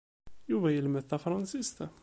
Yuba yelmed tafransist?